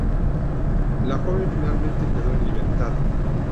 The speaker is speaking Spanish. La joven finalmente quedó en libertad.